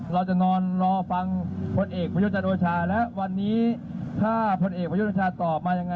เราจะนอนรอฟังผลเอกประยุทธ์จันทร์โอชาและวันนี้ถ้าพลเอกประยุทธ์โอชาตอบมายังไง